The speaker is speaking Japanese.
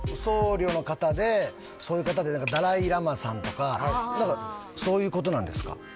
僧侶の方でそういう方でダライ・ラマさんとかそういうことなんですか？